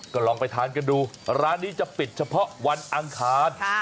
ก็ลองไปทานกันดูร้านนี้จะปิดเฉพาะวันอังคาร